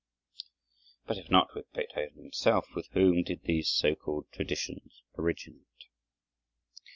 But if not with Beethoven himself, with whom did these so called traditions originate?